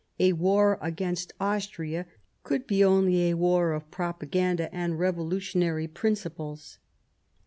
... A war against Austria could be only a war of propaganda and revolutionary principles."